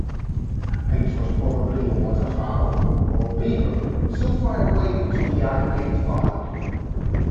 It was probably a water fowl or beaver too far away to be identified.